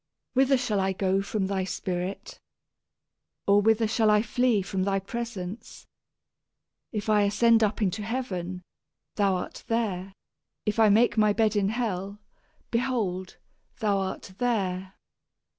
Whither shall I go from thy Spirit? or whither shall I flee from thy presence? If I ascend up into heaven, thou art there: If I make my bed in Sheol, behold, thou art there.